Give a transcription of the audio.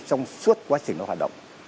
trong suốt quá trình hoạt động